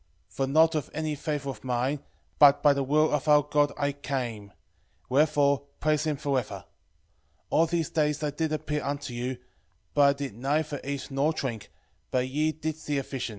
12:18 For not of any favour of mine, but by the will of our God I came; wherefore praise him for ever. 12:19 All these days I did appear unto you; but I did neither eat nor drink, but ye did see a vision.